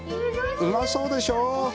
うまそうでしょ？